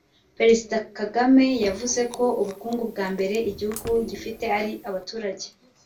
Perezida Kagame yavuze ko ubukungu bwa mbere igihugu gifite ari abaturage